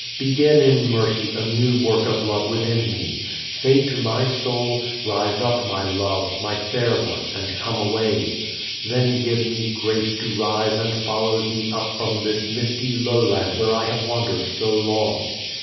Begin in mercy a new work of love within me. Say to my soul, "Rise up, my love, my fair one, and come away." Then give me grace to rise and follow Thee up from this misty lowland where I have wandered so long.